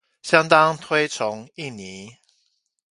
相當推崇印尼